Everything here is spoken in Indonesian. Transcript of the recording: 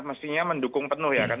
mestinya mendukung penuh ya kan